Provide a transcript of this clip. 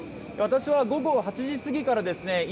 私は午後８時過ぎからですね